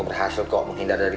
masuk kuliah dulu